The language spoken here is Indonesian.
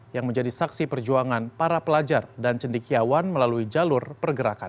yang menjadi saksi perjuangan para pelajar dan cendikiawan melalui jalur pergerakan